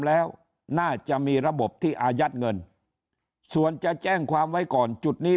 แล้วน่าจะมีระบบที่อายัดเงินส่วนจะแจ้งความไว้ก่อนจุดนี้